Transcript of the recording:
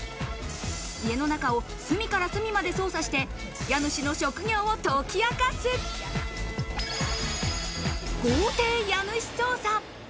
家の中を隅から隅まで捜査して、家主の職業を解き明かす、豪邸家主捜査。